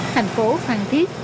thành phố phan thiết